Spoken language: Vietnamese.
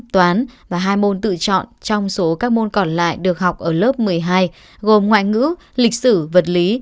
toán và hai môn tự chọn trong số các môn còn lại được học ở lớp một mươi hai gồm ngoại ngữ lịch sử vật lý